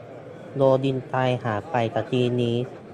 โดนยิงตายห่าไปตะกี้นี้